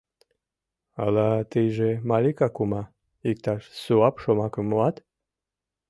— Ала тыйже, Малика кума, иктаж суап шомакым муат?